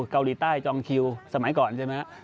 เกาหลีใต้จองคิวสมัยก่อนใช่ไหมครับ